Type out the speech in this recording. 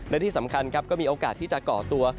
และที่สำคัญครับก็มีโอกาสที่จะก่อตัว